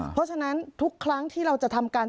เพราะฉะนั้นทุกครั้งที่เราจะทำการ